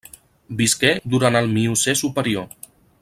Visqué durant el Miocè superior.